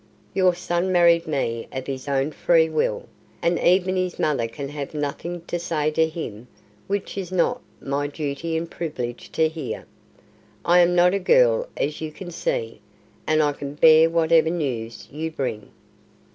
Your son married me of his own free will, and even his mother can have nothing to say to him which it is not my duty and privilege to hear. I am not a girl as you can see, and I can bear whatever news you bring."